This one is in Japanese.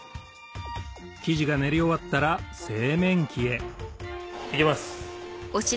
生地が練り終わったら製麺機へいきます！